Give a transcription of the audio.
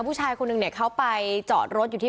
ผู้ชายค๑๔๐เข้าไปจอดรถอยู่ที่